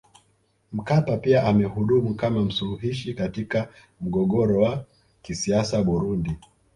Mkapa pia amehudumu kama msuluhishi katika mgogoro wa kisiasa Burundi